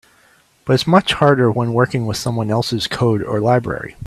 But it's much harder when working with someone else's code or library.